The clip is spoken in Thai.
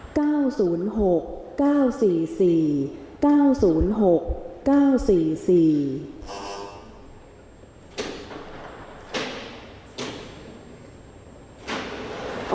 ออกรวมที่สองครั้งที่สาม